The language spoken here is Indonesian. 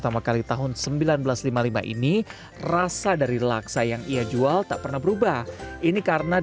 tambahan telur aja gitu aja